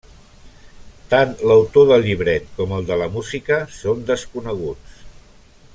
Tant l’autor del llibret com el de la música són desconeguts.